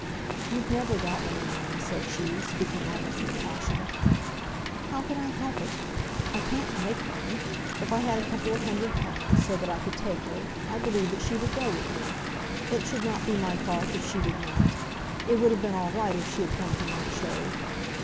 "You've never got any money," said she, speaking almost with passion. "How can I help it? I can't make money. If I had a couple of hundred pounds, so that I could take her, I believe that she would go with me. It should not be my fault if she did not. It would have been all right if she had come to Monkshade."